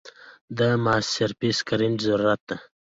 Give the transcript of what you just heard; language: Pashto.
دې ما سرفېس ګرېنډر ضرورت ده